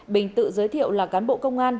bình tự giới thiệu là cán bộ công an